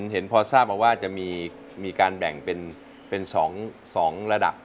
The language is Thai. เห็นพอทราบมาว่าจะมีการแบ่งเป็น๒ระดับ